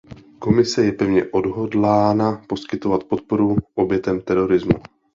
Komise je pevně odhodlána poskytovat podporu obětem terorismu.